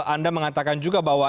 anda mengatakan juga bahwa